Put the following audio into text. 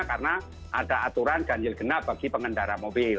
karena ada aturan ganjil genap bagi pengendaraan motor